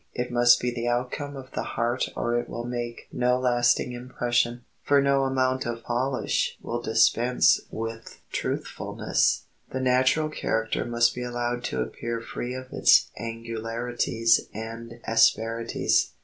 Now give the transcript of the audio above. It must be the outcome of the heart or it will make no lasting impression, for no amount of polish will dispense with truthfulness. The natural character must be allowed to appear freed of its angularities and asperities.